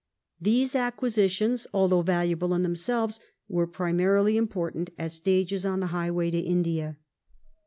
These acquisitions, although valuable in themselves, were primarily important as stages on the highway to India.